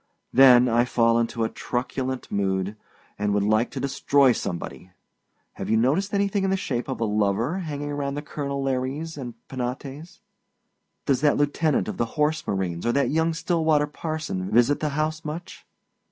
Then I fall into a truculent mood, and would like to destroy somebody. Have you noticed anything in the shape of a lover hanging around the colonel Lares and Penates? Does that lieutenant of the horse marines or that young Stillwater parson visit the house much?